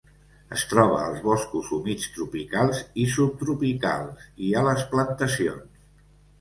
Es troba als boscos humits tropicals i subtropicals, i a les plantacions.